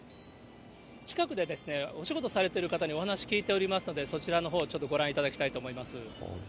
近くでお仕事されてる方にお話聞いておりますので、そちらのほうちょっとご覧いただきたいと思います。